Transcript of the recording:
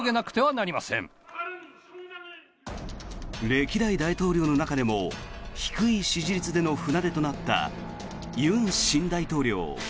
歴代大統領の中でも低い支持率での船出となった尹新大統領。